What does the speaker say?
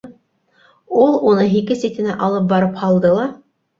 Ул уны һике ситенә алып барып һалды ла: